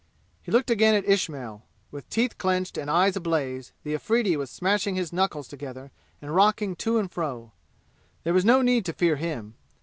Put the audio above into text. He looked again at Ismail. With teeth clenched and eyes ablaze, the Afridi was smashing his knuckles together and rocking to and fro. There was no need to fear him.